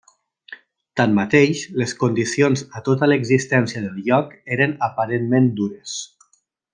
Tanmateix, les condicions a tota l'existència del lloc eren aparentment dures.